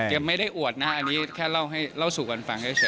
ยังไม่ได้อวดหน้าแค่แค่เล่าสู่กันฟัง